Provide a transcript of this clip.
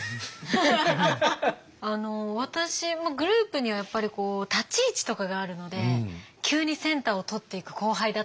私グループにはやっぱり立ち位置とかがあるので急にセンターを取っていく後輩だったりとかいて。